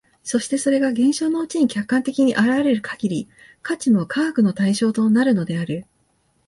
そしてそれが現象のうちに客観的に現れる限り、価値も科学の対象となるのである。